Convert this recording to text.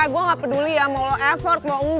gue gak peduli ya mau lo effort mau enggak mau apa